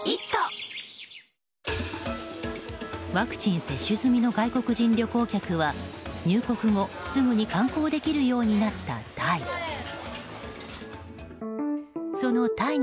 ワクチン接種済みの外国人旅行客は入国後すぐに観光できるようになったタイ。